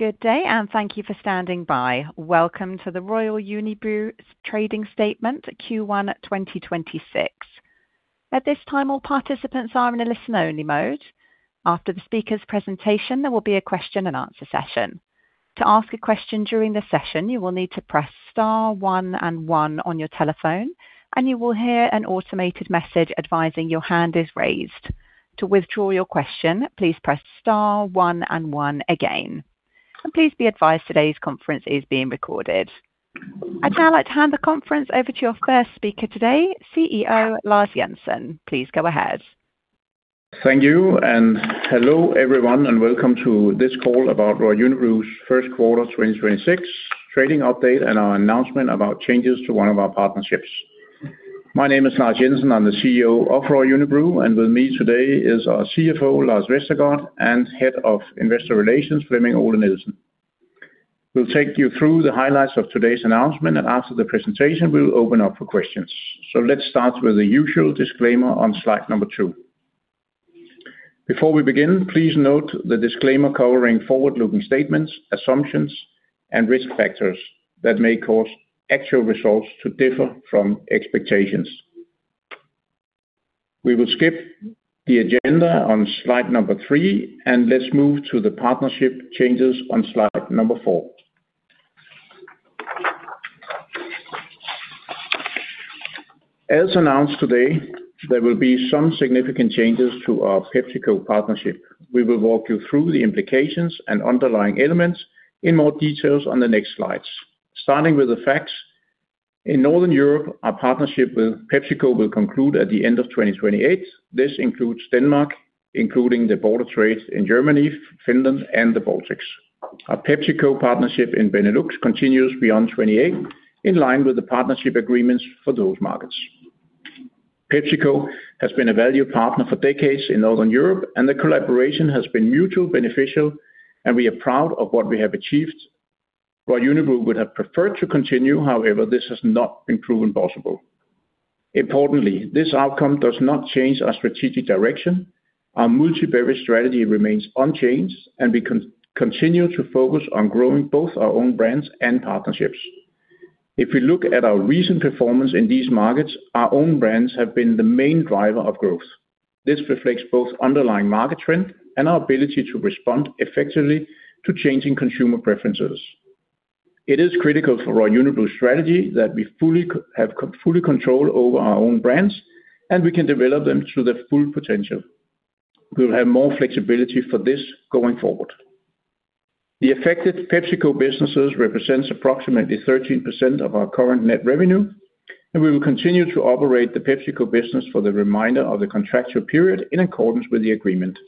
Good day, and thank you for standing by. Welcome to the Royal Unibrew Trading Statement Q1 2026. At this time, all participants are in a listen-only mode. After the speaker's presentation, there will be a question and answer session. To ask a question during the session, you will need to press star one and one on your telephone, and you will hear an automated message advising your hand is raised. To withdraw your question, please press star one and one again. Please be advised today's conference is being recorded. I'd now like to hand the conference over to your first speaker today, CEO Lars Jensen. Please go ahead. Thank you, and hello everyone, and welcome to this call about Royal Unibrew's first quarter 2026 trading update and our announcement about changes to one of our partnerships. My name is Lars Jensen, I'm the CEO of Royal Unibrew, and with me today is our CFO, Lars Vestergaard, and Head of Investor Relations, Flemming Ole Nielsen. We'll take you through the highlights of today's announcement, and after the presentation, we'll open up for questions. Let's start with the usual disclaimer on slide number two. Before we begin, please note the disclaimer covering forward-looking statements, assumptions, and risk factors that may cause actual results to differ from expectations. We will skip the agenda on slide number three, and let's move to the partnership changes on slide number four. As announced today, there will be some significant changes to our PepsiCo partnership. We will walk you through the implications and underlying elements in more details on the next slides. Starting with the facts, in Northern Europe, our partnership with PepsiCo will conclude at the end of 2028. This includes Denmark, including the border trades in Germany, Finland, and the Baltics. Our PepsiCo partnership in BeNeLux continues beyond 2028, in line with the partnership agreements for those markets. PepsiCo has been a value partner for decades in Northern Europe, and the collaboration has been mutually beneficial, and we are proud of what we have achieved. While Royal Unibrew would have preferred to continue, however, this has not been proven possible. Importantly, this outcome does not change our strategic direction. Our multi-beverage strategy remains unchanged, and we continue to focus on growing both our own brands and partnerships. If we look at our recent performance in these markets, our own brands have been the main driver of growth. This reflects both underlying market trend and our ability to respond effectively to changing consumer preferences. It is critical for Royal Unibrew's strategy that we have carefully control over our own brands, and we can develop them to their full potential. We'll have more flexibility for this going forward. The affected PepsiCo businesses represent approximately 13% of our current net revenue, and we will continue to operate the PepsiCo business for the remainder of the contractual period in accordance with the agreement.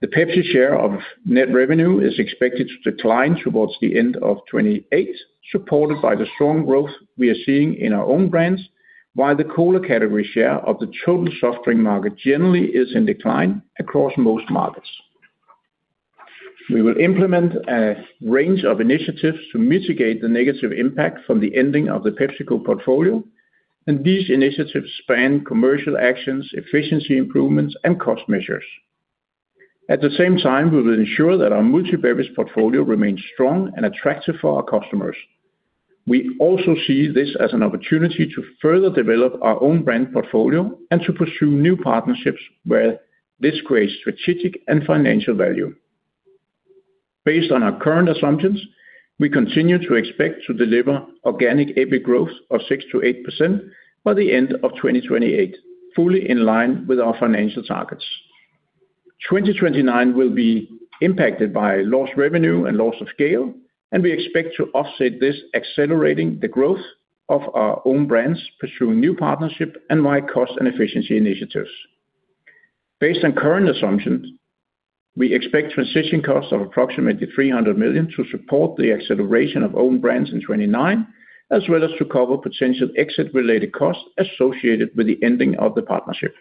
The Pepsi share of net revenue is expected to decline towards the end of 2028, supported by the strong growth we are seeing in our own brands, while the cola category share of the total soft drink market generally is in decline across most markets. We will implement a range of initiatives to mitigate the negative impact from the ending of the PepsiCo portfolio, and these initiatives span commercial actions, efficiency improvements, and cost measures. At the same time, we will ensure that our multi-beverage portfolio remains strong and attractive for our customers. We also see this as an opportunity to further develop our own brand portfolio and to pursue new partnerships where this creates strategic and financial value. Based on our current assumptions, we continue to expect to deliver organic EBIT growth of 6%-8% by the end of 2028, fully in line with our financial targets. 2029 will be impacted by lost revenue and loss of scale, and we expect to offset this, accelerating the growth of our own brands, pursuing new partnership and wide cost and efficiency initiatives. Based on current assumptions, we expect transition costs of approximately 300 million to support the acceleration of own brands in 2029, as well as to cover potential exit-related costs associated with the ending of the partnership.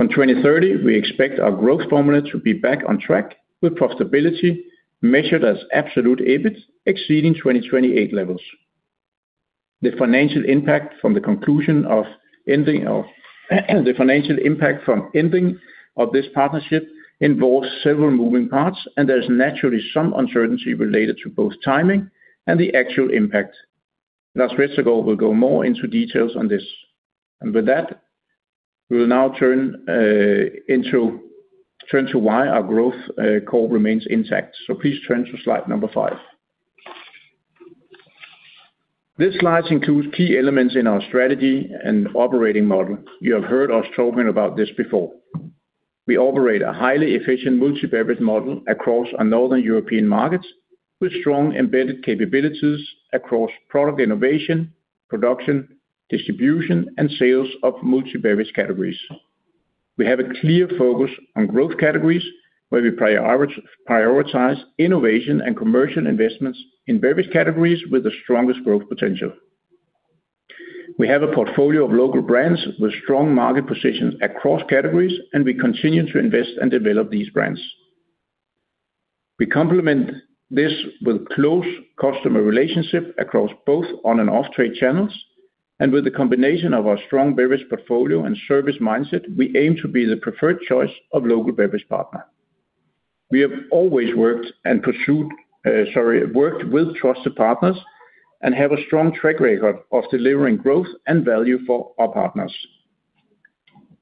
From 2030, we expect our growth formula to be back on track with profitability measured as absolute EBIT exceeding 2028 levels. The financial impact from ending of this partnership involves several moving parts, and there's naturally some uncertainty related to both timing and the actual impact. Lars Vestergaard will go more into details on this. With that, we'll now turn to why our growth call remains intact. Please turn to slide five. This slide includes key elements in our strategy and operating model. You have heard us talking about this before. We operate a highly efficient multi-beverage model across our Northern European markets with strong embedded capabilities across product innovation, production, distribution, and sales of multi-beverage categories. We have a clear focus on growth categories, where we prioritize innovation and commercial investments in various categories with the strongest growth potential. We have a portfolio of local brands with strong market positions across categories, and we continue to invest and develop these brands. We complement this with close customer relationship across both on and off-trade channels. With the combination of our strong beverage portfolio and service mindset, we aim to be the preferred choice of local beverage partner. We have always worked with trusted partners and have a strong track record of delivering growth and value for our partners.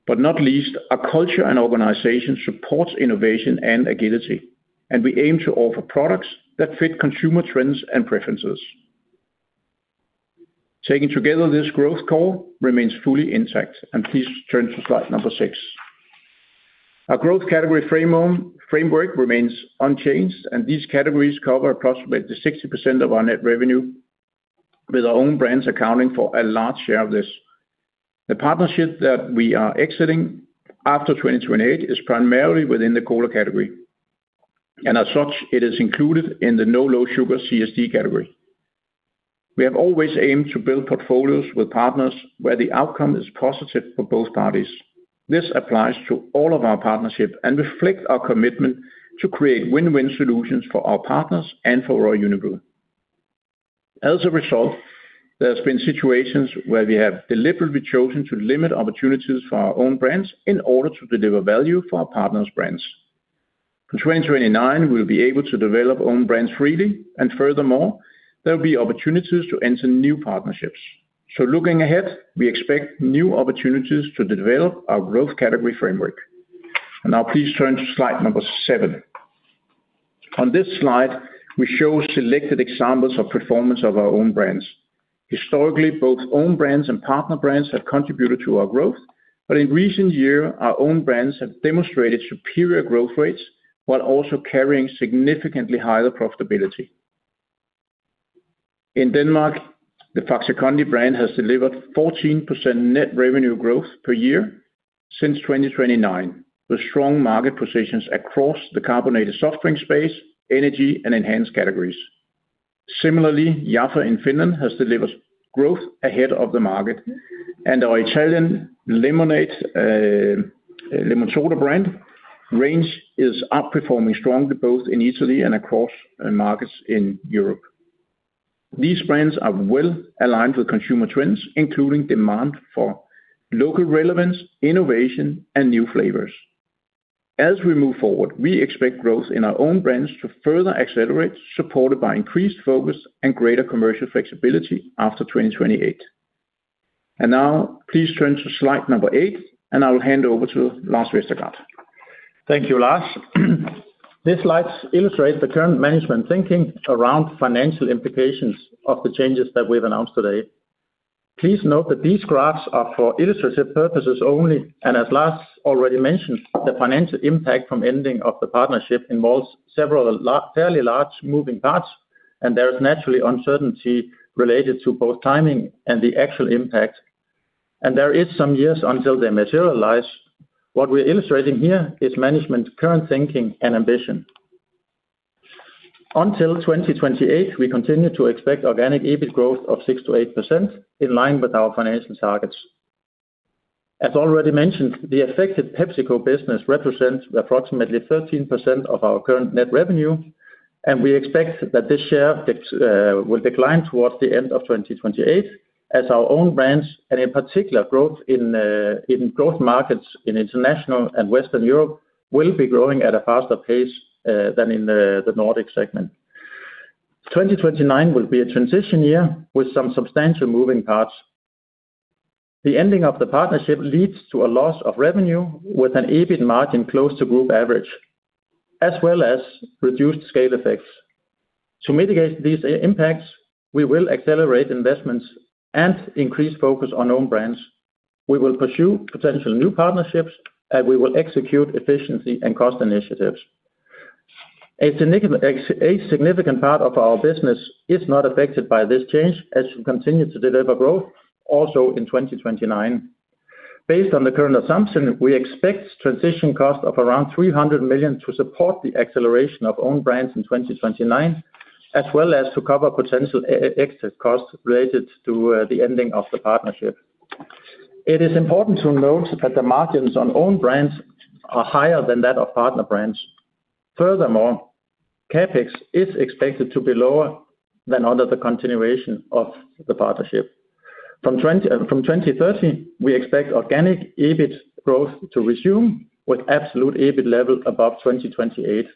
Not least, our culture and organization supports innovation and agility, and we aim to offer products that fit consumer trends and preferences. Taken together, this growth core remains fully intact. Please turn to slide number six. Our growth category framework remains unchanged, and these categories cover approximately 60% of our net revenue, with our own brands accounting for a large share of this. The partnership that we are exiting after 2028 is primarily within the cola category, and as such, it is included in the no/low sugar CSD category. We have always aimed to build portfolios with partners where the outcome is positive for both parties. This applies to all of our partnerships and reflects our commitment to create win-win solutions for our partners and for Royal Unibrew. As a result, there's been situations where we have deliberately chosen to limit opportunities for our own brands in order to deliver value for our partners' brands. From 2029, we'll be able to develop own brands freely, and furthermore, there will be opportunities to enter new partnerships. Looking ahead, we expect new opportunities to develop our growth category framework. Now please turn to slide number seven. On this slide, we show selected examples of performance of our own brands. Historically, both own brands and partner brands have contributed to our growth. But in recent years, our own brands have demonstrated superior growth rates while also carrying significantly higher profitability. In Denmark, the Faxe Kondi brand has delivered 14% net revenue growth per year since 2029, with strong market positions across the carbonated soft drink space, energy, and enhanced categories. Similarly, Jaffa in Finland has delivered growth ahead of the market, and our Italian Lemonsoda brand range is outperforming strongly both in Italy and across markets in Europe. These brands are well-aligned with consumer trends, including demand for local relevance, innovation, and new flavors. As we move forward, we expect growth in our own brands to further accelerate, supported by increased focus and greater commercial flexibility after 2028. Now please turn to slide number eight, and I will hand over to Lars Vestergaard. Thank you, Lars. These slides illustrate the current management thinking around financial implications of the changes that we've announced today. Please note that these graphs are for illustrative purposes only, and as Lars already mentioned, the financial impact from ending of the partnership involves several fairly large moving parts, and there is naturally uncertainty related to both timing and the actual impact. There is some years until they materialize. What we're illustrating here is management's current thinking and ambition. Until 2028, we continue to expect organic EBIT growth of 6%-8%, in line with our financial targets. As already mentioned, the affected PepsiCo business represents approximately 13% of our current net revenue, and we expect that this share will decline towards the end of 2028 as our own brands, and in particular growth in markets in International and Western Europe, will be growing at a faster pace than in the Nordic segment. 2029 will be a transition year with some substantial moving parts. The ending of the partnership leads to a loss of revenue with an EBIT margin close to group average, as well as reduced scale effects. To mitigate these impacts, we will accelerate investments and increase focus on own brands. We will pursue potential new partnerships, and we will execute efficiency and cost initiatives. A significant part of our business is not affected by this change, as we continue to deliver growth also in 2029. Based on the current assumption, we expect transition costs of around 300 million to support the acceleration of own brands in 2029, as well as to cover potential exit costs related to the ending of the partnership. It is important to note that the margins on own brands are higher than that of partner brands. Furthermore, CapEx is expected to be lower than under the continuation of the partnership. From 2030, we expect organic EBIT growth to resume with absolute EBIT level above 2028.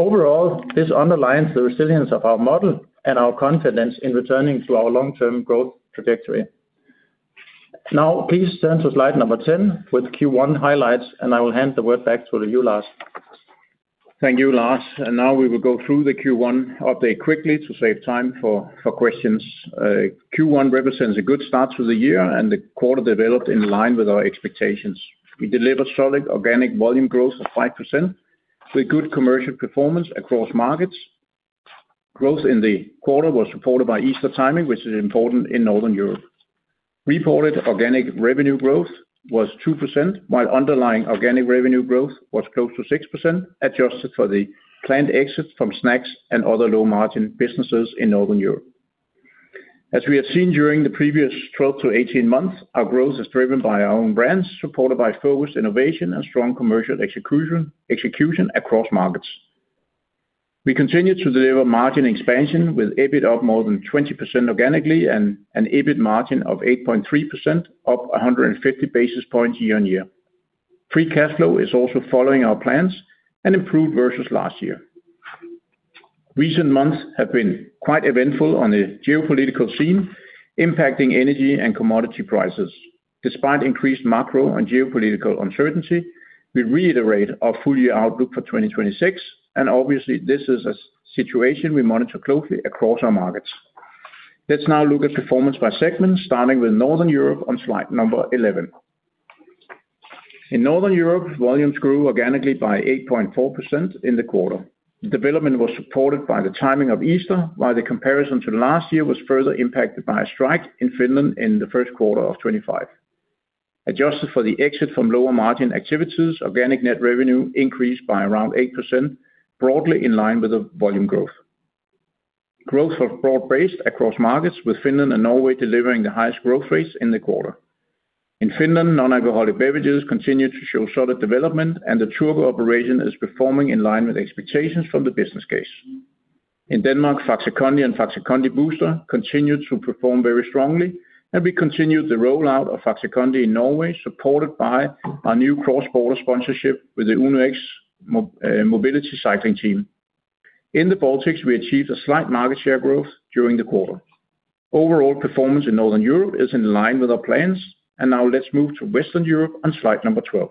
Overall, this underlines the resilience of our model and our confidence in returning to our long-term growth trajectory. Now please turn to slide number 10 with Q1 highlights, and I will hand the word back to you, Lars. Thank you, Lars. Now we will go through the Q1 update quickly to save time for questions. Q1 represents a good start to the year, and the quarter developed in line with our expectations. We delivered solid organic volume growth of 5% with good commercial performance across markets. Growth in the quarter was supported by Easter timing, which is important in Northern Europe. Reported organic revenue growth was 2%, while underlying organic revenue growth was close to 6%, adjusted for the planned exits from snacks and other low-margin businesses in Northern Europe. As we have seen during the previous 12 to 18 months, our growth is driven by our own brands, supported by focused innovation and strong commercial execution across markets. We continue to deliver margin expansion with EBIT up more than 20% organically and an EBIT margin of 8.3%, up 150 basis points year-on-year. Free cash flow is also following our plans and improved versus last year. Recent months have been quite eventful on the geopolitical scene, impacting energy and commodity prices. Despite increased macro and geopolitical uncertainty, we reiterate our full-year outlook for 2026, and obviously this is a situation we monitor closely across our markets. Let's now look at performance by segment, starting with Northern Europe on slide number 11. In Northern Europe, volumes grew organically by 8.4% in the quarter. Development was supported by the timing of Easter, while the comparison to last year was further impacted by a strike in Finland in the first quarter of 2025. Adjusted for the exit from lower margin activities, organic net revenue increased by around 8%, broadly in line with the volume growth. Growth was broad-based across markets, with Finland and Norway delivering the highest growth rates in the quarter. In Finland, non-alcoholic beverages continued to show solid development, and the Turku operation is performing in line with expectations from the business case. In Denmark, Faxe Kondi and Faxe Kondi Booster continued to perform very strongly, and we continued the rollout of Faxe Kondi in Norway, supported by our new cross-border sponsorship with the Uno-X Mobility cycling team. In the Baltics, we achieved a slight market share growth during the quarter. Overall performance in Northern Europe is in line with our plans, and now let's move to Western Europe on slide number 12.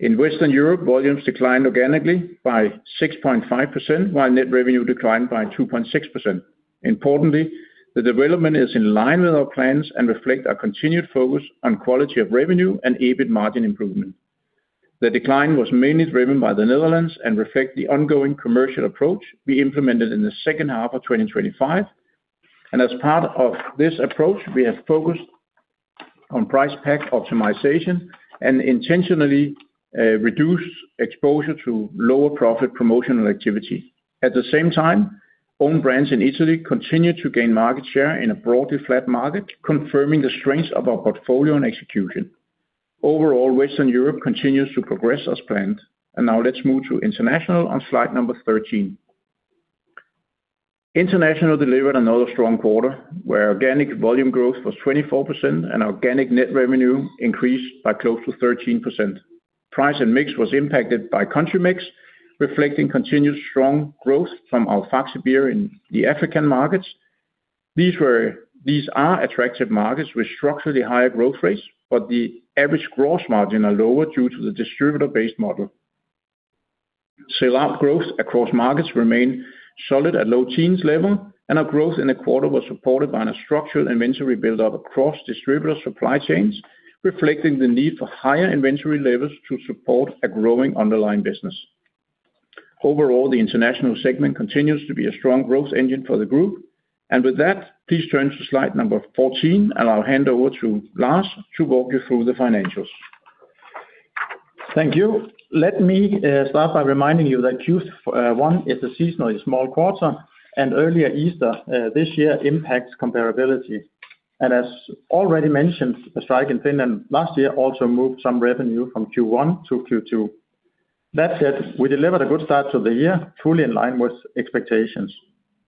In Western Europe, volumes declined organically by 6.5%, while net revenue declined by 2.6%. Importantly, the development is in line with our plans and reflects our continued focus on quality of revenue and EBIT margin improvement. The decline was mainly driven by the Netherlands and reflect the ongoing commercial approach we implemented in the second half of 2025. As part of this approach, we have focused on price/pack optimization and intentionally reduced exposure to lower profit promotional activity. At the same time, own brands in Italy continue to gain market share in a broadly flat market, confirming the strength of our portfolio and execution. Overall, Western Europe continues to progress as planned. Now let's move to International on slide number 13. International delivered another strong quarter, where organic volume growth was 24% and organic net revenue increased by close to 13%. Price and mix was impacted by country mix, reflecting continued strong growth from our FAXE Beer in the African markets. These are attractive markets with structurally higher growth rates, but the average gross margin are lower due to the distributor-based model. Sell-out growth across markets remain solid at low teens level, and our growth in the quarter was supported by a structural inventory buildup across distributor supply chains, reflecting the need for higher inventory levels to support a growing underlying business. Overall, the international segment continues to be a strong growth engine for the group. With that, please turn to slide number 14, and I'll hand over to Lars to walk you through the financials. Thank you. Let me start by reminding you that Q1 is a seasonally small quarter and earlier Easter this year impacts comparability. As already mentioned, the strike in Finland last year also moved some revenue from Q1 to Q2. That said, we delivered a good start to the year, truly in line with expectations.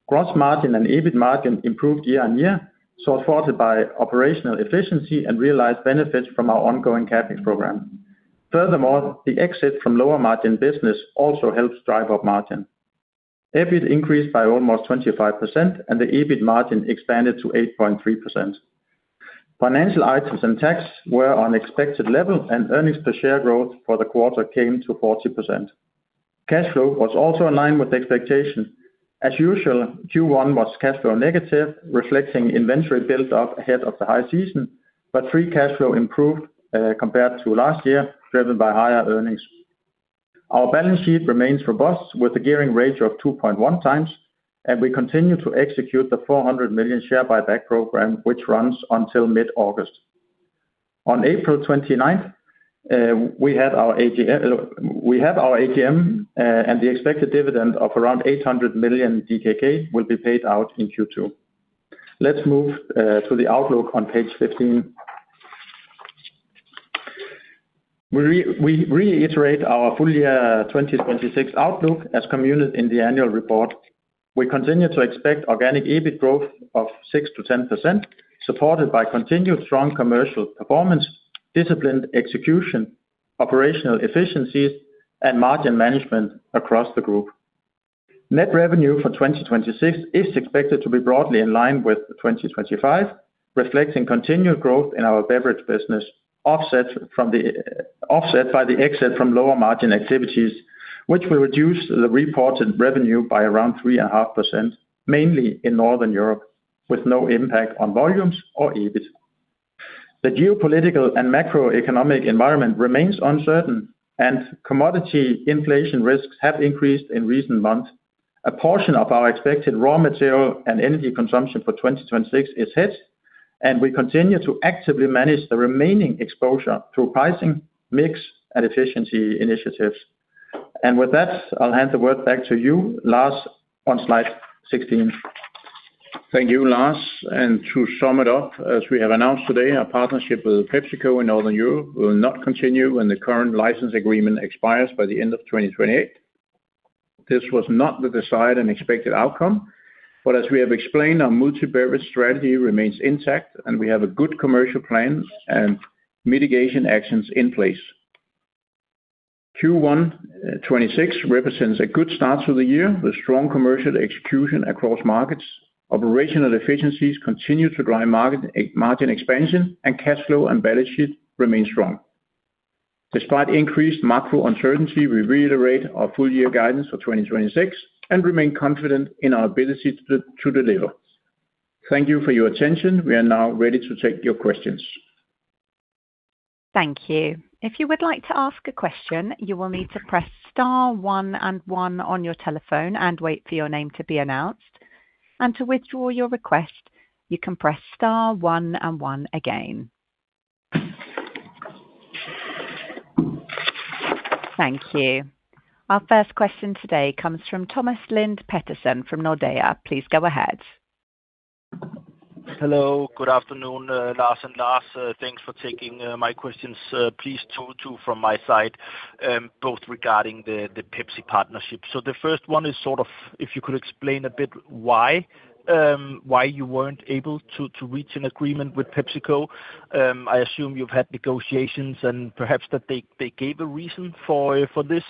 Gross margin and EBIT margin improved year-on-year, supported by operational efficiency and realized benefits from our ongoing CapEx program. Furthermore, the exit from lower margin business also helps drive up margin. EBIT increased by almost 25%, and the EBIT margin expanded to 8.3%. Financial items and tax were on expected level, and earnings per share growth for the quarter came to 40%. Cash flow was also in line with expectation. As usual, Q1 was cash flow negative, reflecting inventory built up ahead of the high season, but free cash flow improved, compared to last year, driven by higher earnings. Our balance sheet remains robust with a gearing ratio of 2.1x, and we continue to execute the 400 million share buy-back program, which runs until mid-August. On April 29th, we have our AGM, and the expected dividend of around 800 million DKK will be paid out in Q2. Let's move to the outlook on page 15. We reiterate our full-year 2026 outlook as communicated in the annual report. We continue to expect organic EBIT growth of 6%-10%, supported by continued strong commercial performance, disciplined execution, operational efficiencies, and margin management across the group. Net revenue for 2026 is expected to be broadly in line with 2025, reflecting continued growth in our beverage business, offset by the exit from lower margin activities, which will reduce the reported revenue by around 3.5%, mainly in Northern Europe, with no impact on volumes or EBIT. The geopolitical and macroeconomic environment remains uncertain, and commodity inflation risks have increased in recent months. A portion of our expected raw material and energy consumption for 2026 is hedged, and we continue to actively manage the remaining exposure through pricing, mix, and efficiency initiatives. With that, I'll hand the word back to you, Lars, on slide 16. Thank you, Lars. To sum it up, as we have announced today, our partnership with PepsiCo in Northern Europe will not continue when the current license agreement expires by the end of 2028. This was not the desired and expected outcome, but as we have explained, our multi-beverage strategy remains intact, and we have a good commercial plan and mitigation actions in place. Q1 2026 represents a good start to the year with strong commercial execution across markets. Operational efficiencies continue to drive margin expansion, and cash flow and balance sheet remain strong. Despite increased macro uncertainty, we reiterate our full year guidance for 2026 and remain confident in our ability to deliver. Thank you for your attention. We are now ready to take your questions. Thank you. Our first question today comes from Thomas Lind Petersen from Nordea. Please go ahead. Hello. Good afternoon, Lars and Lars. Thanks for taking my questions. Please, two from my side, both regarding the Pepsi partnership. The first one is, if you could explain a bit why you weren't able to reach an agreement with PepsiCo. I assume you've had negotiations and perhaps that they gave a reason for this.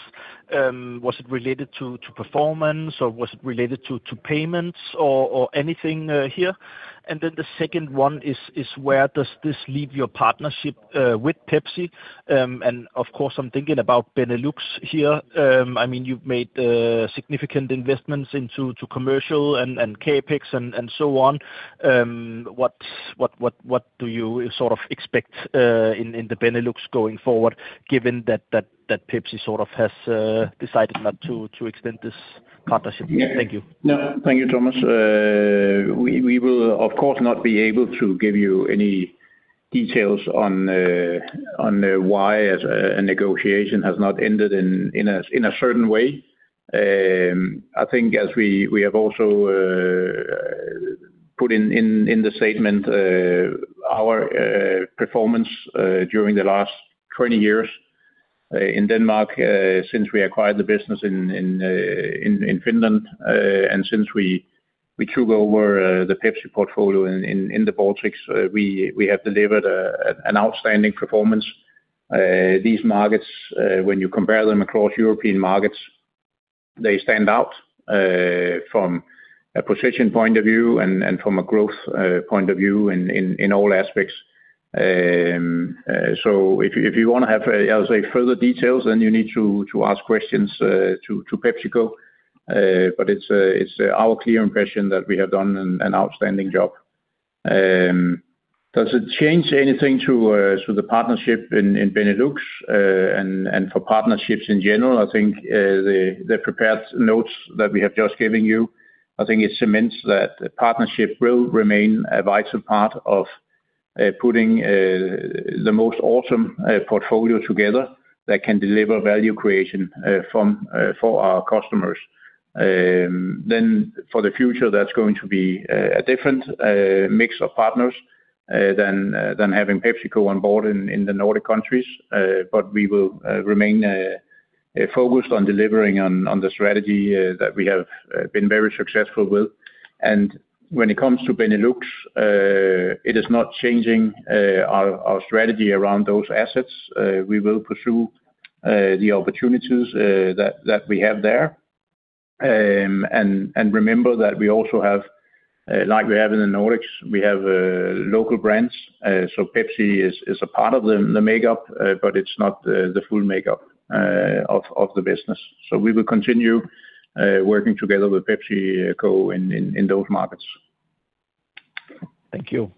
Was it related to performance or was it related to payments or anything here? The second one is where does this leave your partnership with Pepsi? Of course, I'm thinking about BeNeLux here. You've made significant investments into commercial and CapEx and so on. What do you expect in the BeNeLux going forward, given that Pepsi has decided not to extend this partnership? Thank you. No. Thank you, Thomas. We will, of course, not be able to give you any details on why a negotiation has not ended in a certain way. I think as we have also put in the statement, our performance during the last 20 years in Denmark, since we acquired the business in Finland, and since we took over the Pepsi portfolio in the Baltics, we have delivered an outstanding performance. These markets, when you compare them across European markets, they stand out from a position point of view and from a growth point of view in all aspects. If you want to have further details, then you need to ask questions to PepsiCo. It's our clear impression that we have done an outstanding job. Does it change anything to the partnership in BeNeLux and for partnerships in general? I think the prepared notes that we have just given you, it cements that the partnership will remain a vital part of putting the most awesome portfolio together that can deliver value creation for our customers. For the future, that's going to be a different mix of partners than having PepsiCo on board in the Nordic countries. We will remain focused on delivering on the strategy that we have been very successful with. When it comes to BeNeLux, it is not changing our strategy around those assets. We will pursue the opportunities that we have there. Remember that we also have, like we have in the Nordics, local brands. Pepsi is a part of the makeup, but it's not the full makeup of the business. We will continue working together with PepsiCo in those markets. Thank you.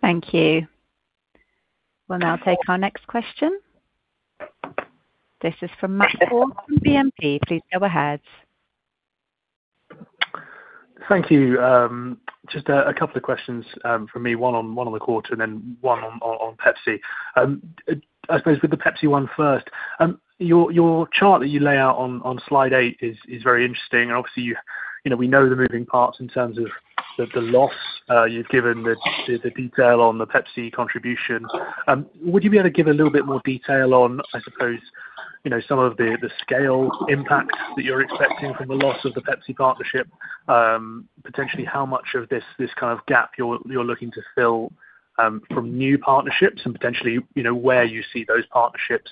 Thank you. We'll now take our next question. This is from Matt Ford from BNP. Please go ahead. Thank you. Just a couple of questions from me, one on the quarter, then one on Pepsi. I suppose with the Pepsi one first. Your chart that you lay out on slide eight is very interesting. Obviously, we know the moving parts in terms of the loss. You've given the detail on the Pepsi contribution. Would you be able to give a little bit more detail on, I suppose, some of the scale impacts that you're expecting from the loss of the Pepsi partnership? Potentially how much of this kind of gap you're looking to fill from new partnerships and potentially, where you see those partnerships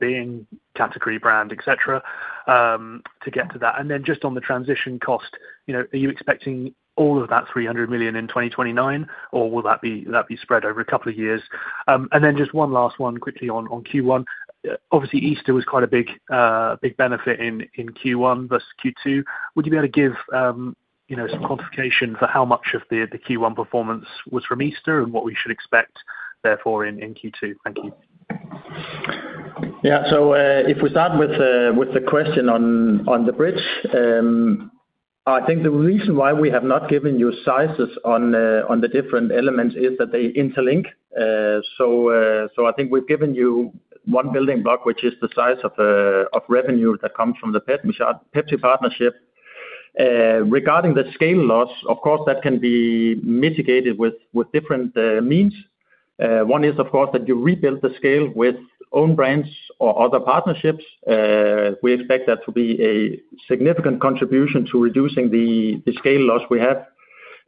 being category brand, et cetera, to get to that. Just on the transition cost, are you expecting all of that 300 million in 2029? Or will that be spread over a couple of years? Just one last one quickly on Q1. Obviously, Easter was quite a big benefit in Q1 versus Q2. Would you be able to give some quantification for how much of the Q1 performance was from Easter and what we should expect therefore in Q2? Thank you. Yeah. If we start with the question on the bridge. I think the reason why we have not given you sizes on the different elements is that they interlink. I think we've given you one building block, which is the size of revenue that comes from the Pepsi partnership. Regarding the scale loss, of course, that can be mitigated with different means. One is, of course, that you rebuild the scale with own brands or other partnerships. We expect that to be a significant contribution to reducing the scale loss we have.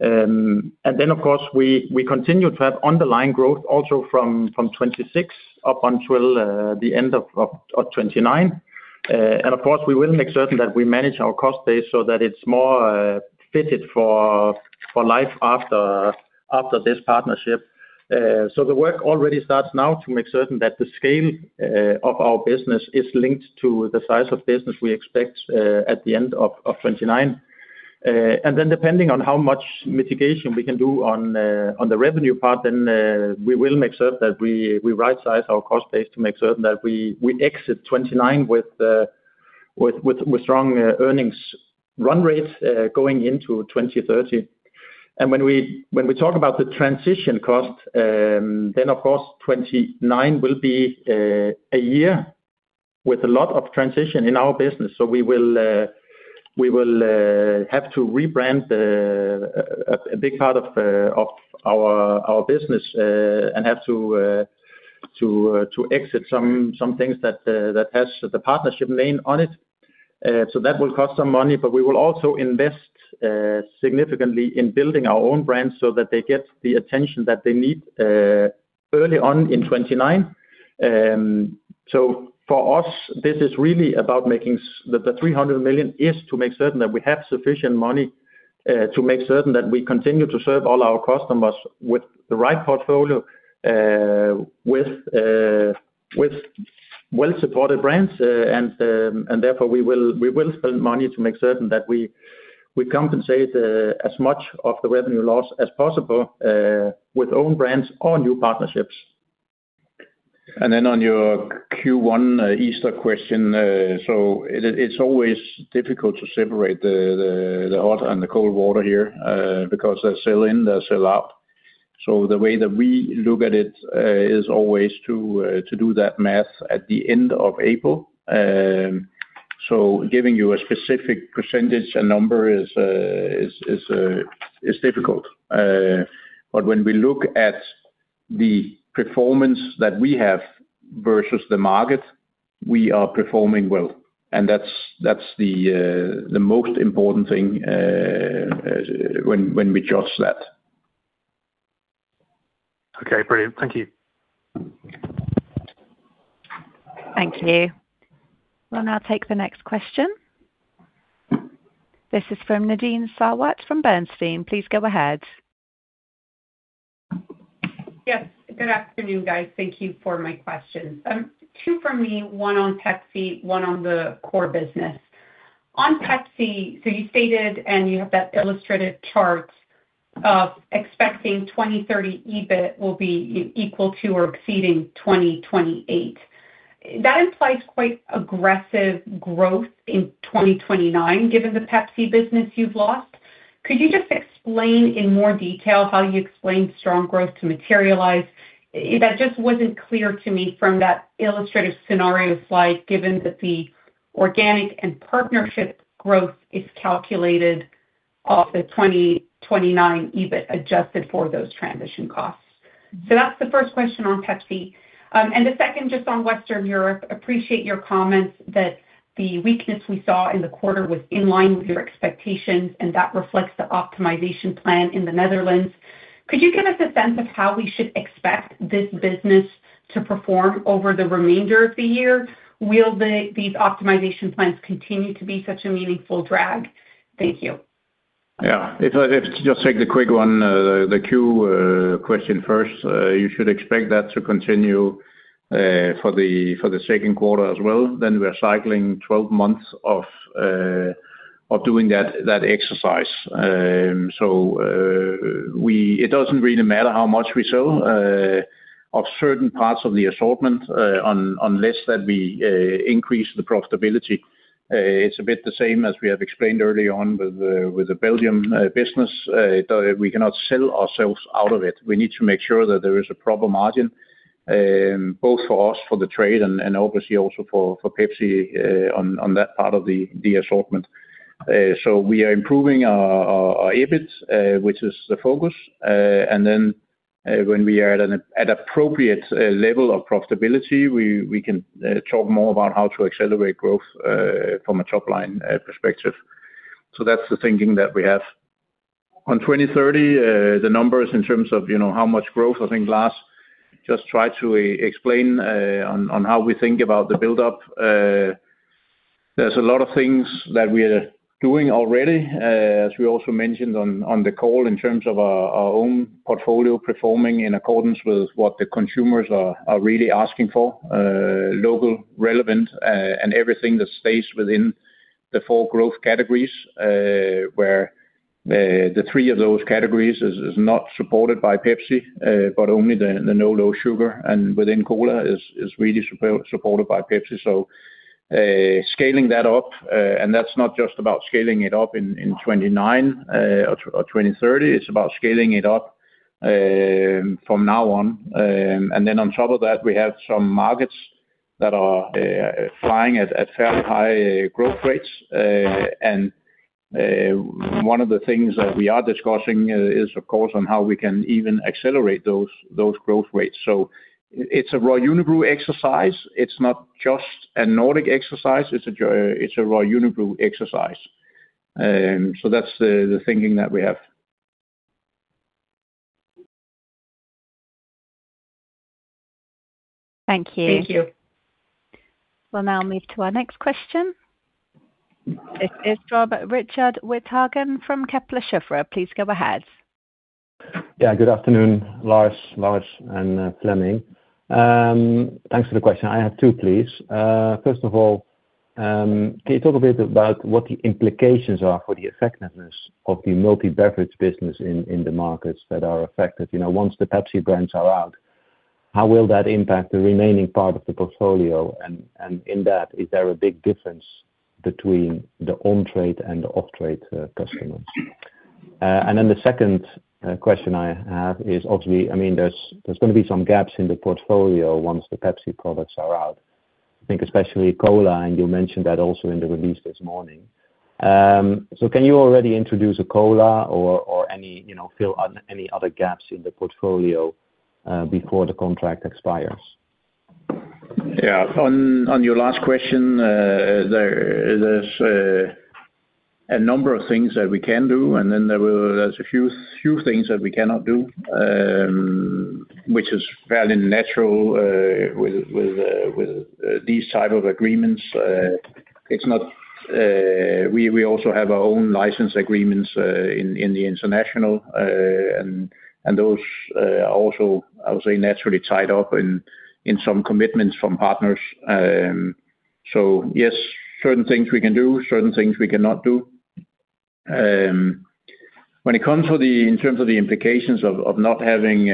Then, of course, we continue to have underlying growth also from 2026 up until the end of 2029. Of course, we will make certain that we manage our cost base so that it's more fitted for life after this partnership. The work already starts now to make certain that the scale of our business is linked to the size of business we expect at the end of 2029. Depending on how much mitigation we can do on the revenue part, then we will make sure that we right-size our cost base to make certain that we exit 2029 with strong earnings run rates going into 2030. When we talk about the transition cost, then of course 2029 will be a year with a lot of transition in our business. We will have to rebrand a big part of our business, and have to exit some things that has the partnership name on it. That will cost some money, but we will also invest significantly in building our own brands so that they get the attention that they need early on in 2029. For us, the 300 million is to make certain that we have sufficient money to make certain that we continue to serve all our customers with the right portfolio, with well-supported brands. Therefore we will spend money to make certain that we compensate as much of the revenue loss as possible, with own brands or new partnerships. On your Q1 Easter question, it's always difficult to separate the hot and the cold water here, because there's sell-in, there's sell-out. The way that we look at it is always to do that math at the end of April. Giving you a specific percentage and number is difficult. When we look at the performance that we have versus the market, we are performing well, and that's the most important thing when we judge that. Okay, brilliant. Thank you. Thank you. We'll now take the next question. This is from Nadine Sarwat from Bernstein. Please go ahead. Yes. Good afternoon, guys. Thank you for taking my questions. Two from me, one on Pepsi, one on the core business. On Pepsi, so you stated, and you have that illustrative chart of expecting 2030 EBIT will be equal to or exceeding 2028. That implies quite aggressive growth in 2029, given the Pepsi business you've lost. Could you just explain in more detail how you explain strong growth to materialize? That just wasn't clear to me from that illustrative scenario slide, given that the organic and partnership growth is calculated off the 2029 EBIT, adjusted for those transition costs. That's the first question on Pepsi. The second, just on Western Europe, I appreciate your comments that the weakness we saw in the quarter was in line with your expectations, and that reflects the optimization plan in the Netherlands. Could you give us a sense of how we should expect this business to perform over the remainder of the year? Will these optimization plans continue to be such a meaningful drag? Thank you. Yeah. If I just take the quick one, the question first. You should expect that to continue for the second quarter as well. We're cycling 12 months of doing that exercise. It doesn't really matter how much we sell of certain parts of the assortment, unless we increase the profitability. It's a bit the same as we have explained earlier on with the Belgian business. We cannot sell ourselves out of it. We need to make sure that there is a proper margin, both for us, for the trade, and obviously also for Pepsi on that part of the assortment. We are improving our EBIT, which is the focus. When we are at an appropriate level of profitability, we can talk more about how to accelerate growth from a top-line perspective. That's the thinking that we have. In 2030, the numbers in terms of how much growth, I think Lars just tried to explain on how we think about the buildup. There's a lot of things that we are doing already, as we also mentioned on the call, in terms of our own portfolio performing in accordance with what the consumers are really asking for. Local, relevant, and everything that stays within the four growth categories, where the three of those categories is not supported by Pepsi, but only the no low sugar and within cola is really supported by Pepsi. Scaling that up, and that's not just about scaling it up in 2029 or 2030, it's about scaling it up from now on. On top of that, we have some markets that are flying at fairly high growth rates. One of the things that we are discussing is, of course, on how we can even accelerate those growth rates. It's a Royal Unibrew exercise. It's not just a Nordic exercise, it's a Royal Unibrew exercise. That's the thinking that we have. Thank you. We'll now move to our next question. This is from Richard Withagen from Kepler Cheuvreux. Please go ahead. Good afternoon, Lars, Lars, and Flemming. Thanks for the question. I have two, please. First of all, can you talk a bit about what the implications are for the effectiveness of the multi-beverage business in the markets that are affected? Once the Pepsi brands are out, how will that impact the remaining part of the portfolio? And in that, is there a big difference between the on-trade and off-trade customers? And then the second question I have is, obviously, there's going to be some gaps in the portfolio once the Pepsi products are out. I think especially cola, and you mentioned that also in the release this morning. So can you already introduce a cola or fill any other gaps in the portfolio, before the contract expires? Yeah. On your last question, there's a number of things that we can do, and then there's a few things that we cannot do, which is fairly natural, with these type of agreements. We also have our own license agreements in the international. Those are also, I would say, naturally tied up in some commitments from partners. Yes, certain things we can do, certain things we cannot do. When it comes to the terms of the implications of not having,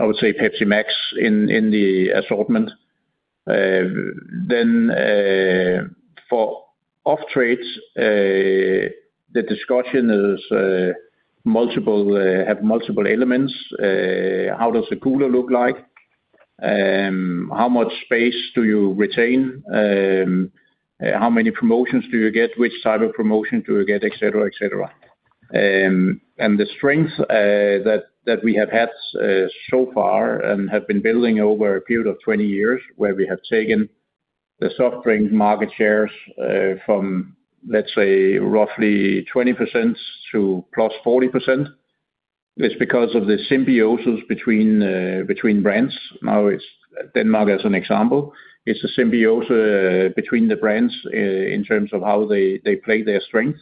I would say Pepsi Max in the assortment. For off-trades, the discussion have multiple elements. How does the cooler look like? How much space do you retain? How many promotions do you get? Which type of promotion do you get? Et cetera. The strength that we have had so far and have been building over a period of 20 years, where we have taken the soft drinks market shares from, let's say, roughly 20% to +40%, it's because of the symbiosis between brands. Now it's Denmark as an example. It's a symbiosis between the brands in terms of how they play their strengths.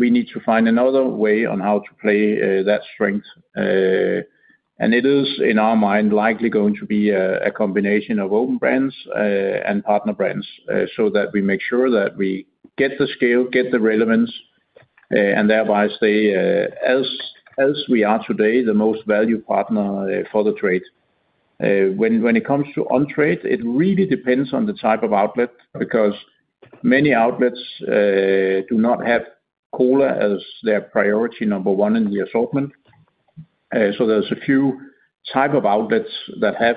We need to find another way on how to play that strength. It is, in our mind, likely going to be a combination of own brands and partner brands, so that we make sure that we get the scale, get the relevance, and thereby stay as we are today, the most valued partner for the trade. When it comes to on-trade, it really depends on the type of outlet, because many outlets do not have cola as their priority number one in the assortment. There's a few type of outlets that have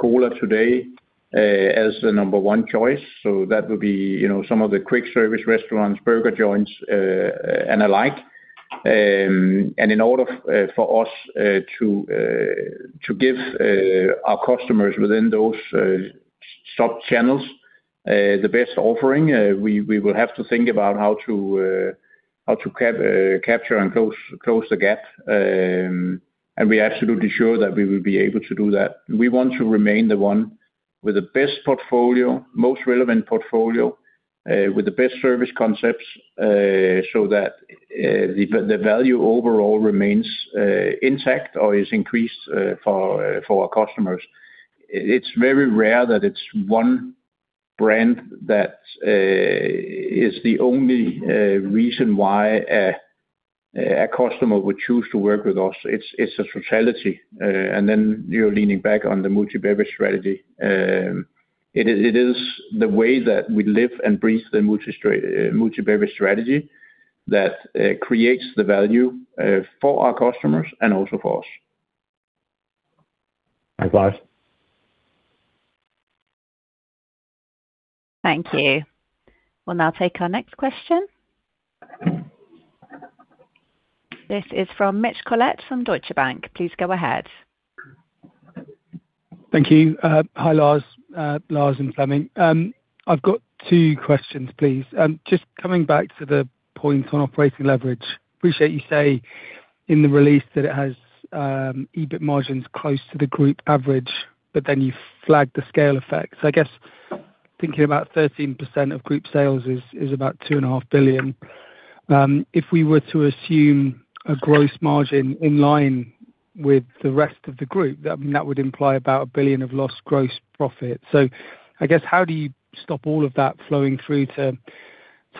cola today as the number one choice. That would be some of the quick service restaurants, burger joints, and the like. In order for us to give our customers within those sub-channels the best offering, we will have to think about how to capture and close the gap. We're absolutely sure that we will be able to do that. We want to remain the one with the best portfolio, most relevant portfolio, with the best service concepts, so that the value overall remains intact or is increased for our customers. It's very rare that it's one brand that is the only reason why a customer would choose to work with us. It's a totality. Then you're leaning back on the multi-beverage strategy. It is the way that we live and breathe the multi-beverage strategy that creates the value for our customers and also for us. Thanks, Lars. Thank you. We'll now take our next question. This is from Mitch Collett from Deutsche Bank. Please go ahead. Thank you. Hi, Lars, Lars, and Flemming. I've got two questions, please. Just coming back to the point on operating leverage. I appreciate you say in the release that it has EBIT margins close to the group average, but then you flagged the scale effects. I guess thinking about 13% of group sales is about 2.5 billion. If we were to assume a gross margin in line with the rest of the group, that would imply about 1 billion of lost gross profit. I guess, how do you stop all of that flowing through to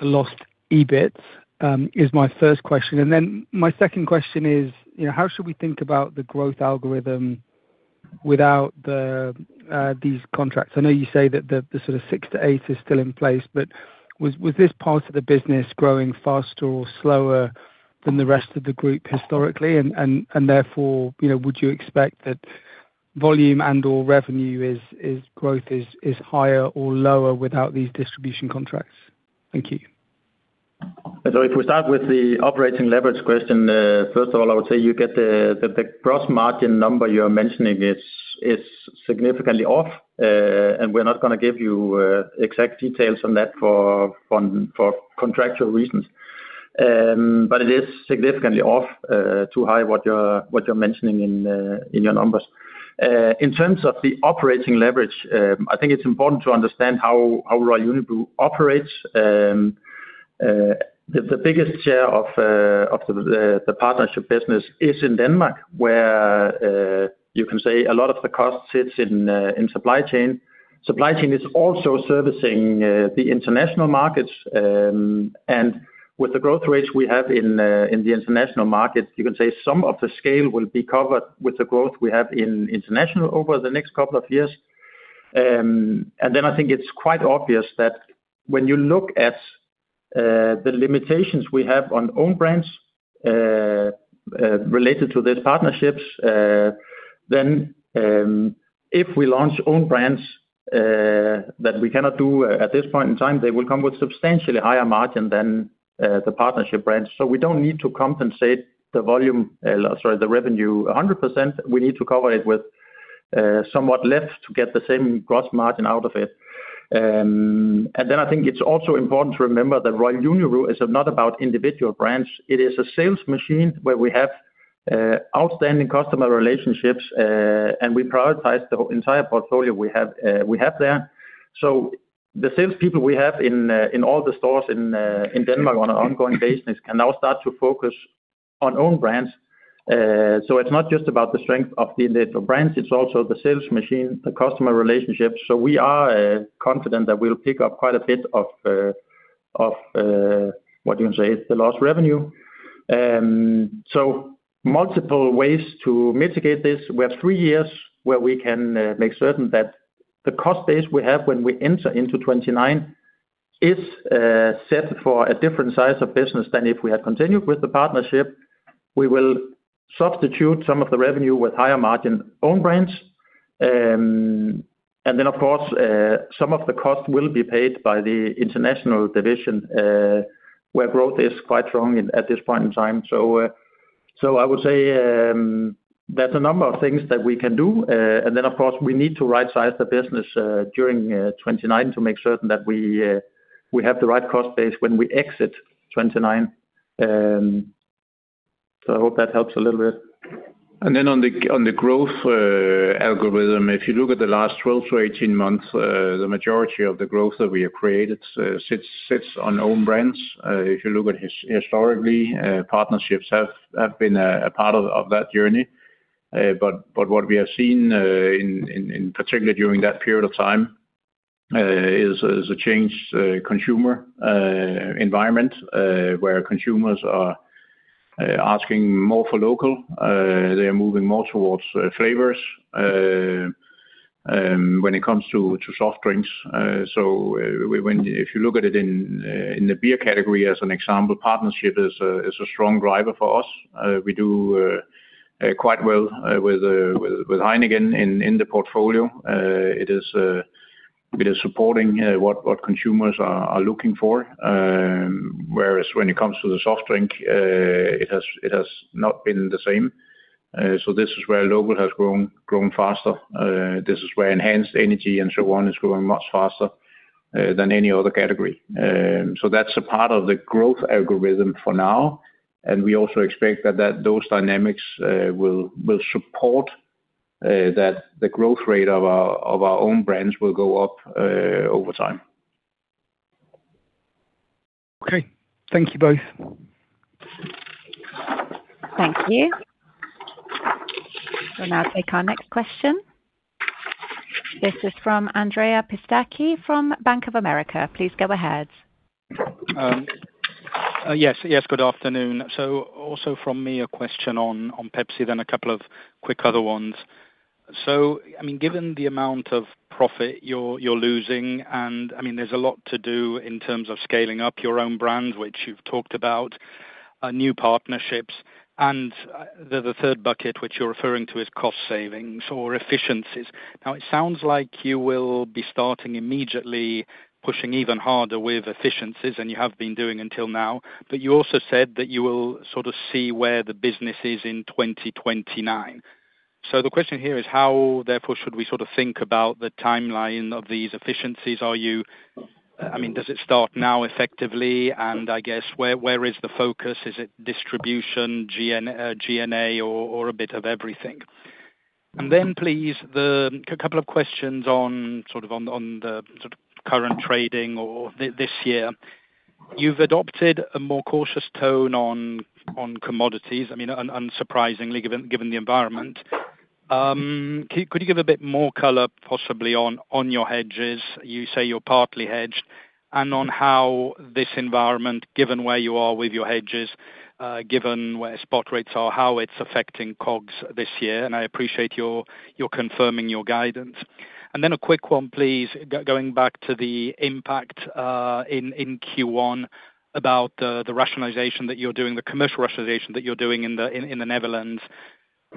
lost EBITs? That is my first question. Then my second question is how should we think about the growth algorithm without these contracts? I know you say that the sort of 6%-8% is still in place, but was this part of the business growing faster or slower than the rest of the group historically? Therefore, would you expect that volume and/or revenue growth is higher or lower without these distribution contracts? Thank you. If we start with the operating leverage question, first of all, I would say you get the gross margin number you're mentioning is significantly off, and we're not going to give you exact details on that for contractual reasons. It is significantly off, too high what you're mentioning in your numbers. In terms of the operating leverage, I think it's important to understand how Royal Unibrew operates. The biggest share of the partnership business is in Denmark, where you can say a lot of the cost sits in supply chain. Supply chain is also servicing the international markets, and with the growth rates we have in the international markets, you can say some of the scale will be covered with the growth we have in international over the next couple of years. I think it's quite obvious that when you look at the limitations we have on own brands related to these partnerships, then if we launch own brands that we cannot do at this point in time, they will come with substantially higher margin than the partnership brands. We don't need to compensate the revenue 100%. We need to cover it with somewhat less to get the same gross margin out of it. I think it's also important to remember that Royal Unibrew is not about individual brands. It is a sales machine where we have outstanding customer relationships, and we prioritize the entire portfolio we have there. The sales people we have in all the stores in Denmark on an ongoing basis can now start to focus on own brands. It's not just about the strength of the brands, it's also the sales machine, the customer relationships. We are confident that we'll pick up quite a bit of what you can say is the lost revenue. Multiple ways to mitigate this. We have three years where we can make certain that the cost base we have when we enter into 2029 is set for a different size of business than if we had continued with the partnership. We will substitute some of the revenue with higher margin own brands. Then, of course, some of the cost will be paid by the international division, where growth is quite strong at this point in time. I would say there's a number of things that we can do. Of course, we need to rightsize the business during 2029 to make certain that we have the right cost base when we exit 2029. I hope that helps a little bit. On the growth algorithm, if you look at the last 12-18 months, the majority of the growth that we have created sits on own brands. If you look at historically, partnerships have been a part of that journey. What we have seen in particular during that period of time is a changed consumer environment, where consumers are asking more for local. They are moving more towards flavors when it comes to soft drinks. If you look at it in the beer category as an example, partnership is a strong driver for us. We do quite well with Heineken in the portfolio. It is supporting what consumers are looking for, whereas when it comes to the soft drink, it has not been the same. This is where local has grown faster. This is where enhanced energy and so on is growing much faster than any other category. That's a part of the growth algorithm for now, and we also expect that those dynamics will support that the growth rate of our own brands will go up over time. Okay. Thank you both. Thank you. We'll now take our next question. This is from Andrea Pistacchi from Bank of America. Please go ahead. Yes. Good afternoon. Also from me, a question on Pepsi, then a couple of quick other ones. Given the amount of profit you're losing, and there's a lot to do in terms of scaling up your own brands, which you've talked about, new partnerships, and the third bucket, which you're referring to, is cost savings or efficiencies. Now, it sounds like you will be starting immediately pushing even harder with efficiencies than you have been doing until now, but you also said that you will sort of see where the business is in 2029. The question here is how, therefore, should we think about the timeline of these efficiencies? Does it start now effectively and, I guess, where is the focus? Is it distribution, G&A, or a bit of everything? Then please, a couple of questions on the current trading or this year. You've adopted a more cautious tone on commodities, unsurprisingly given the environment. Could you give a bit more color possibly on your hedges? You say you're partly hedged. And on how this environment, given where you are with your hedges, given where spot rates are, how it's affecting COGS this year? And I appreciate your confirming your guidance. A quick one, please, going back to the impact in Q1 about the commercial rationalization that you're doing in the Netherlands.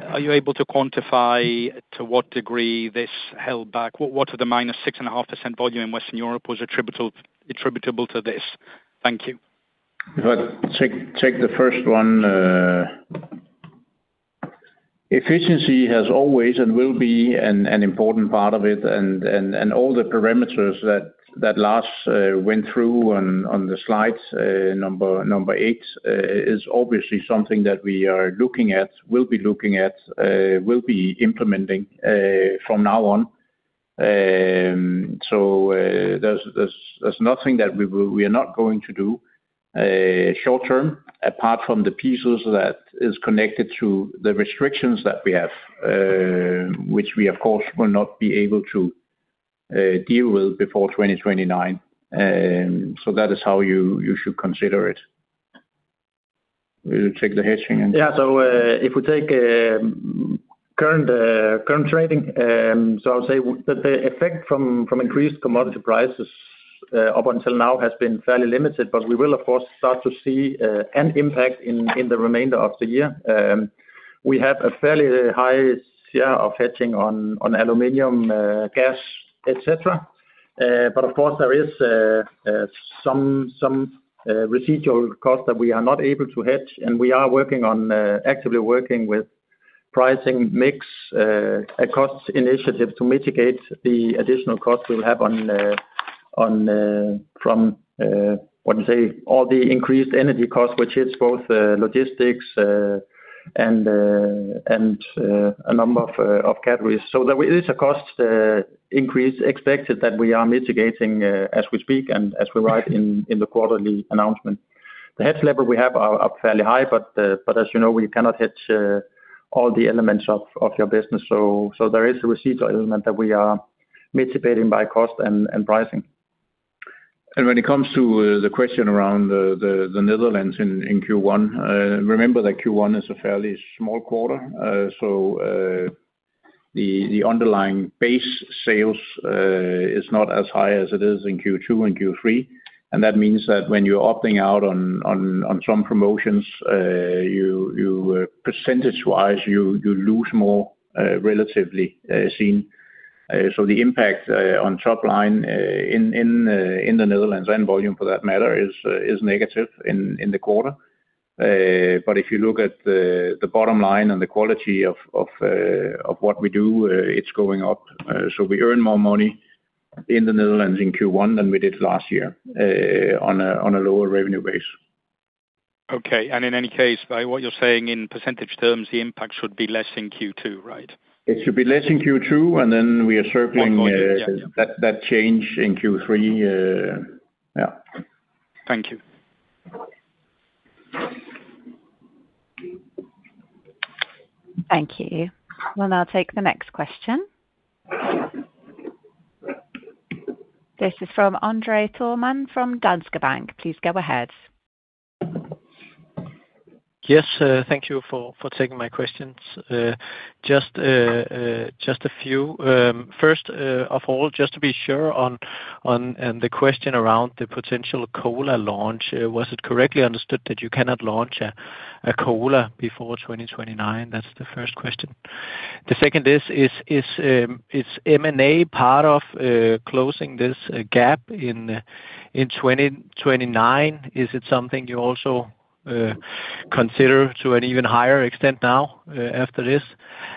Are you able to quantify to what degree this held back? What of the -6.5% volume in Western Europe was attributable to this? Thank you. If I take the first one. Efficiency has always and will be an important part of it, and all the parameters that Lars went through on the slides, number eight, is obviously something that we are looking at, will be looking at, will be implementing from now on. There's nothing that we are not going to do short-term apart from the pieces that is connected to the restrictions that we have, which we of course, will not be able to deal with before 2029. That is how you should consider it. Will you take the hedging and? If we take current trading, I'll say that the effect from increased commodity prices up until now has been fairly limited, but we will, of course, start to see an impact in the remainder of the year. We have a fairly high share of hedging on aluminum, gas, et cetera. Of course, there is some residual cost that we are not able to hedge, and we are actively working with pricing mix cost initiative to mitigate the additional costs we'll have from, what to say, all the increased energy costs, which hits both logistics and a number of categories. There is a cost increase expected that we are mitigating as we speak and as we write in the quarterly announcement. The hedge level we have are fairly high, but as you know, we cannot hedge all the elements of your business. There is a residual element that we are mitigating by cost and pricing. When it comes to the question around the Netherlands in Q1, remember that Q1 is a fairly small quarter, so the underlying base sales is not as high as it is in Q2 and Q3. That means that when you're opting out on some promotions, percentage-wise, you lose more relatively seen. The impact on top line in the Netherlands and volume for that matter is negative in the quarter. If you look at the bottom line and the quality of what we do, it's going up. We earn more money in the Netherlands in Q1 than we did last year on a lower revenue base. Okay. In any case, by what you're saying in percentage terms, the impact should be less in Q2, right? It should be less in Q2, and then we are circling. One quarter. That change in Q3. Yeah. Thank you. Thank you. We'll now take the next question. This is from André Thormann from Danske Bank. Please go ahead. Yes, thank you for taking my questions. Just a few. First of all, just to be sure on the question around the potential cola launch, was it correctly understood that you cannot launch a cola before 2029? That's the first question. The second is M&A part of closing this gap in 2029? Is it something you also consider to an even higher extent now after this?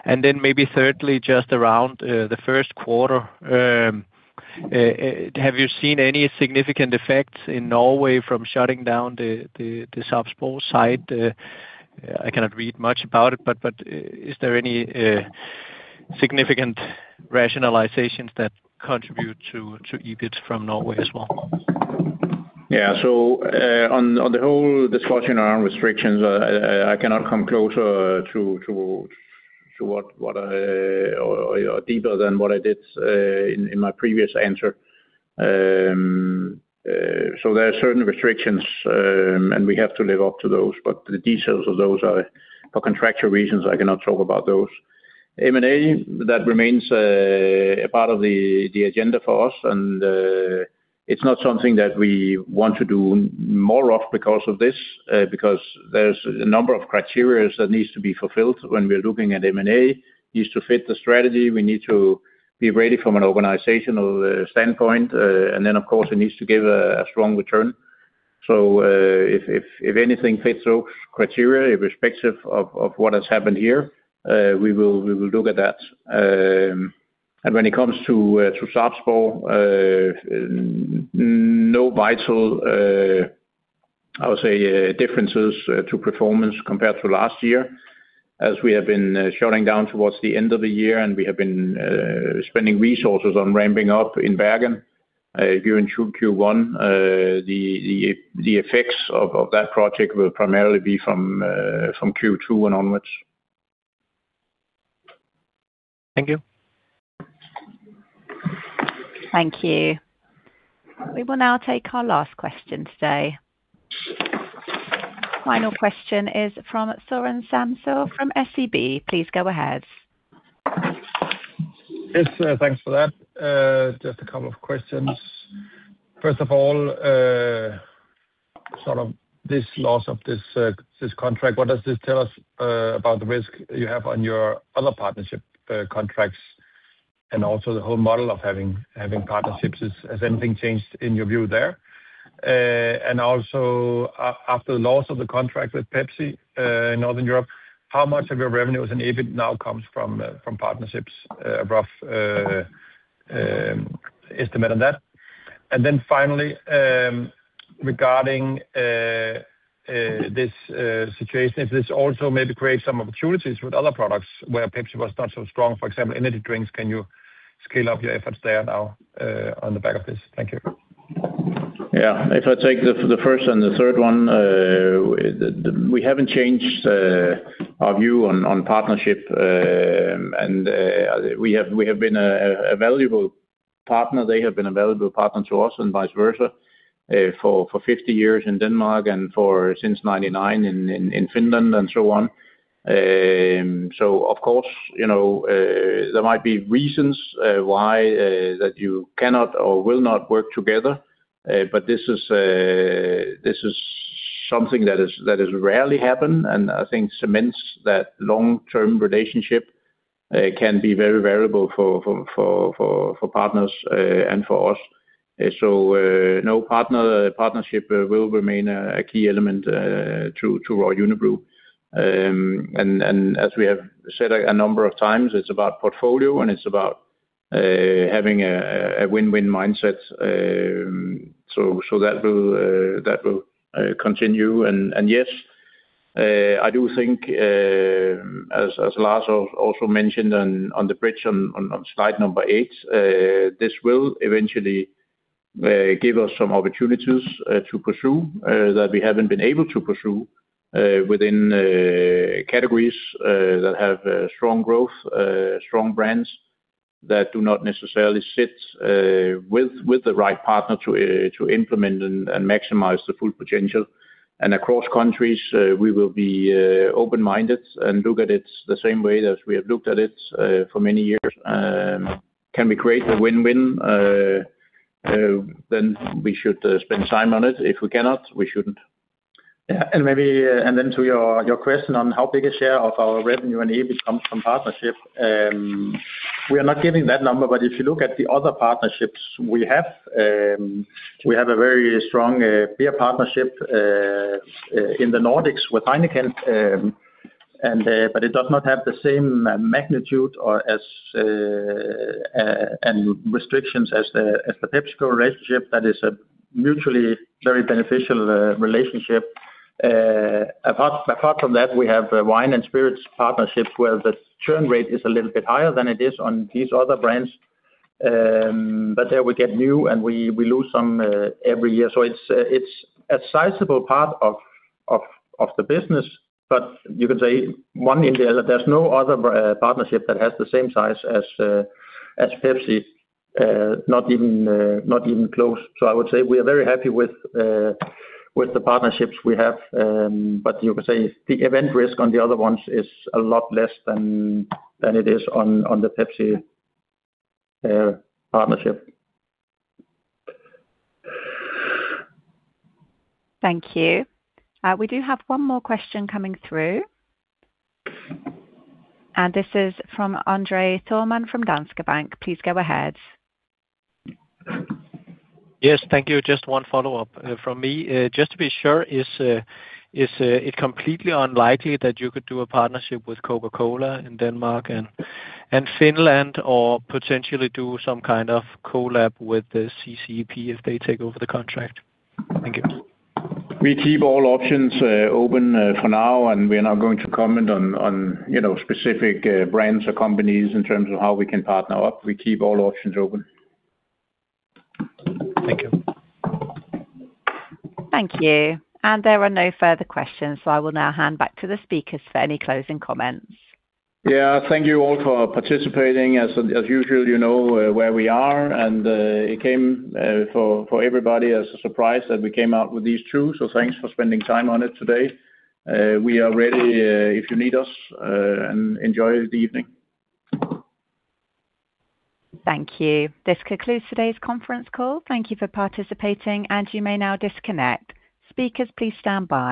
And then maybe thirdly, just around the first quarter, have you seen any significant effects in Norway from shutting down the Sarpsborg site? I cannot read much about it, but is there any significant rationalizations that contribute to EBIT from Norway as well? Yeah. On the whole discussion around restrictions, I cannot come any closer or deeper than what I did in my previous answer. There are certain restrictions, and we have to live up to those, but the details of those are for contractual reasons I cannot talk about those. M&A, that remains a part of the agenda for us, and it's not something that we want to do more of because of this, because there's a number of criteria that need to be fulfilled when we're looking at M&A. It needs to fit the strategy, we need to be ready from an organizational standpoint, and then of course, it needs to give a strong return. If anything fits those criteria, irrespective of what has happened here, we will look at that. When it comes to Sarpsborg, no vital, I would say, differences to performance compared to last year, as we have been shutting down towards the end of the year, and we have been spending resources on ramping up in Bergen during Q1. The effects of that project will primarily be from Q2 and onwards. Thank you. Thank you. We will now take our last question today. Final question is from Søren Samsøe from SEB. Please go ahead. Yes, thanks for that. Just a couple of questions. First of all, this loss of this contract, what does this tell us about the risk you have on your other partnership contracts, and also the whole model of having partnerships? Has anything changed in your view there? After the loss of the contract with Pepsi in Northern Europe, how much of your revenues and EBIT now comes from partnerships? A rough estimate on that. Finally, regarding this situation, if this also maybe creates some opportunities with other products where Pepsi was not so strong, for example, energy drinks, can you scale up your efforts there now on the back of this? Thank you. Yeah. If I take the first and the third one, we haven't changed our view on partnership. We have been a valuable partner. They have been a valuable partner to us and vice versa, for 50 years in Denmark and since 1999 in Finland and so on. Of course, there might be reasons why that you cannot or will not work together. This is something that has rarely happened, and I think cements that long-term relationship can be very variable for partners and for us. Partnership will remain a key element to Royal Unibrew. As we have said a number of times, it's about portfolio and it's about having a win-win mindset. That will continue. Yes, I do think, as Lars also mentioned on the bridge on slide number 8, this will eventually give us some opportunities to pursue that we haven't been able to pursue within categories that have strong growth, strong brands that do not necessarily sit with the right partner to implement and maximize the full potential. Across countries, we will be open-minded and look at it the same way that we have looked at it for many years. Can we create a win-win? Then we should spend time on it. If we cannot, we shouldn't. Yeah, to your question on how big a share of our revenue and EBIT comes from partnership. We are not giving that number, but if you look at the other partnerships we have, we have a very strong beer partnership in the Nordics with Heineken. It does not have the same magnitude and restrictions as the PepsiCo relationship. That is a mutually very beneficial relationship. Apart from that, we have wine and spirits partnerships where the churn rate is a little bit higher than it is on these other brands. There we get new and we lose some every year. It's a sizable part of the business, but you could say there's no other partnership that has the same size as Pepsi. Not even close. I would say we are very happy with the partnerships we have. You could say the event risk on the other ones is a lot less than it is on the Pepsi partnership. Thank you. We do have one more question coming through, and this is from André Thormann from Danske Bank. Please go ahead. Yes. Thank you. Just one follow-up from me. Just to be sure, is it completely unlikely that you could do a partnership with Coca-Cola in Denmark and Finland, or potentially do some kind of collab with the CCEP if they take over the contract? Thank you. We keep all options open for now, and we're not going to comment on specific brands or companies in terms of how we can partner up. We keep all options open. Thank you. Thank you. There are no further questions, so I will now hand back to the speakers for any closing comments. Yeah, thank you all for participating. As usual, you know where we are, and it came for everybody as a surprise that we came out with these too, so thanks for spending time on it today. We are ready if you need us. Enjoy the evening. Thank you. This concludes today's conference call. Thank you for participating, and you may now disconnect. Speakers, please stand by.